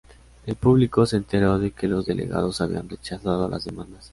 El público se enteró de que los delegados habían rechazado las demandas.